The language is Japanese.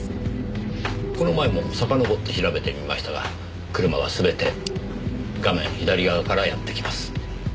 この前もさかのぼって調べてみましたが車は全て画面左側からやって来ます。